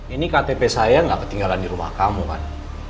ini ktp saya nggak ketinggalan di rumah kamu kan